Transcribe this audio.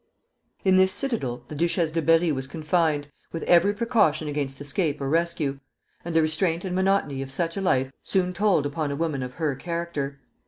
In this citadel the Duchesse de Berri was confined, with every precaution against escape or rescue; and the restraint and monotony of such a life soon told upon a woman of her character.